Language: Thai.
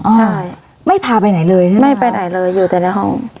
ใช่ไม่พาไปไหนเลยใช่ไหมไม่ไปไหนเลยอยู่แต่ในห้อง